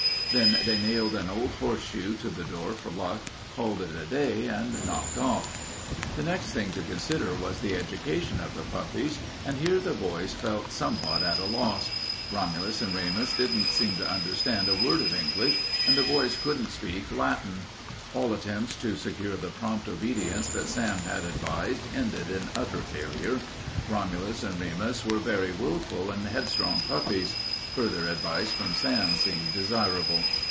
Then they nailed an old horseshoe to the door for luck, called it a day, and knocked off. The next thing to consider was the education of the puppies, and here the boys felt somewhat at a loss. Romulus and Remus didn't seem to understand a word of English, and the boys couldn't speak Latin. All attempts to secure the prompt obedience that Sam had advised ended in utter failure. Romulus and Remus were very willful and headstrong puppies. Further advice from Sam seemed desirable.